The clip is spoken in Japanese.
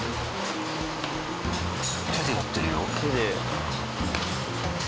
手でいってるよ。